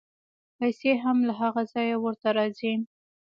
پیسې هم له هغه ځایه ورته راځي.